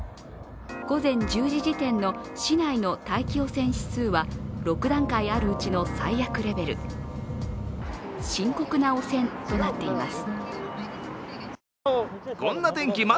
午前１０時時点の市内の大気汚染指数は６段階あるうちの最悪レベル、深刻な汚染となっています。